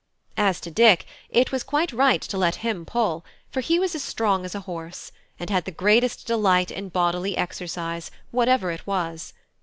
As to Dick, it was quite right to let him pull, for he was as strong as a horse, and had the greatest delight in bodily exercise, whatever it was.